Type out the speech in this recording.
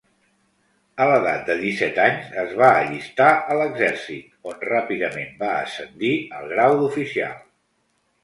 A l'edat de disset anys, es va allistar a l'exèrcit, on ràpidament va ascendir al grau d'oficial.